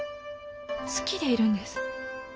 好きでいるんです。